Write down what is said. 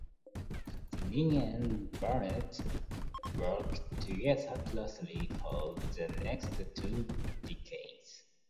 Deneen and Barnett worked together closely for the next two decades.